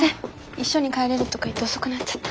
一緒に帰れるとか言って遅くなっちゃった。